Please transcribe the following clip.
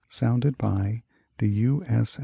sounded by the U. S.